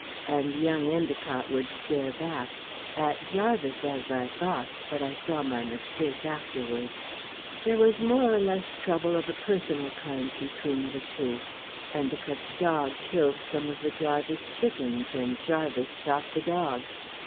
And young Endicott would stare back at Jarvis, as I thought, but I saw my mistake afterwards. "There was more or less trouble of a personal kind between the two. Endicott's dog killed some of the Jarvis chickens, and Jarvis shot the dog.